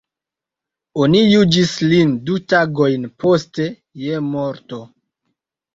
Oni juĝis lin du tagojn poste je morto.